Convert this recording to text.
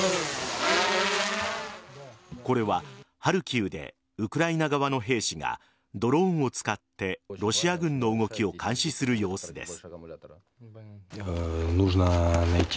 これはハルキウでウクライナ側の兵士がドローンを使ってロシア軍の動きを監視する様子です。